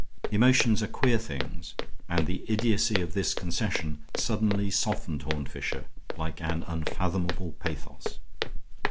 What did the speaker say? Emotions are queer things, and the idiocy of this concession suddenly softened Horne Fisher like an unfathomable pathos.